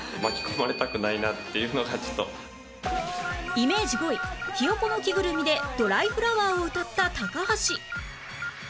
イメージ５位ひよこの着ぐるみで『ドライフラワー』を歌った高橋